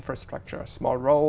đảm bảo rằng